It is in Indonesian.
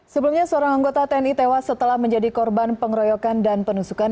sebelumnya seorang anggota tni tewas setelah menjadi korban pengeroyokan dan penusukan